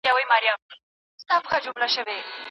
دا سپارښتنې د ټولو لپاره دي.